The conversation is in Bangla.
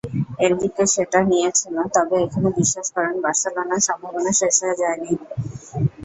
এনরিকে সেটা নিয়েছেনও, তবে এখনো বিশ্বাস করেন, বার্সেলোনার সম্ভাবনা শেষ হয়ে যায়নি।